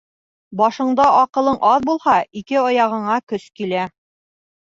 Башында аҡылың аҙ булһа, ике аяғыңа көс килә.